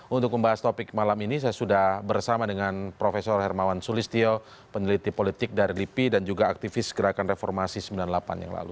untuk membahas topik malam ini saya sudah bersama dengan prof hermawan sulistio peneliti politik dari lipi dan juga aktivis gerakan reformasi sembilan puluh delapan yang lalu